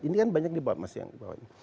ini kan banyak di bawah